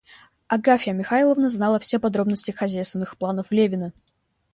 Агафья Михайловна знала все подробности хозяйственных планов Левина.